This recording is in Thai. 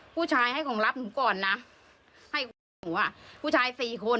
ผู้ชายให้ของรับหนูก่อนนะให้คนรับหนูอ่ะผู้ชายสี่คน